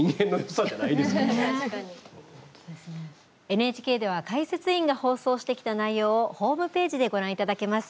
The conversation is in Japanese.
ＮＨＫでは解説委員が放送してきた内容をホームページでご覧いただけます。